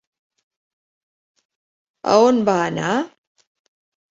A on va anar?